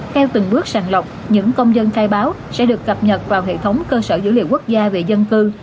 theo từng bước sàng lọc những công dân khai báo sẽ được cập nhật vào hệ thống cơ sở dữ liệu quốc gia về dân cư